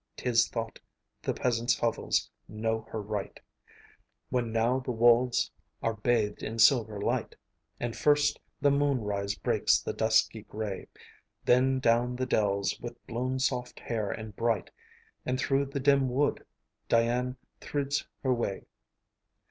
'Tis thought the peasants' hovels know her rite When now the wolds are bathed in silver light, And first the moonrise breaks the dusky gray; Then down the dells, with blown soft hair and bright, And through the dim wood, Dian thrids her way.